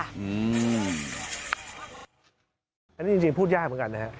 อันนี้จริงพูดยากเหมือนกันนะครับ